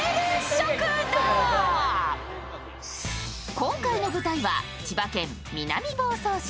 今回の舞台は千葉県南房総市。